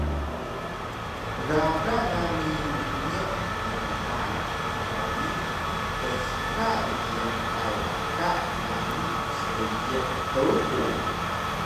Gaga nami mniq nklaan hidaw ni kska dgiyaq Taywan ka yami Seejiq Truku